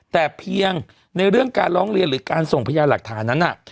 แต่เพียงในเรื่องการร้องเรียนหรือการส่งพยานหลักฐานนั้น